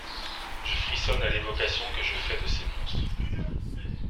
Je frissonne à l’évocation que je fais de ces monstres.